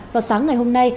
vào sáng ngày hôm nay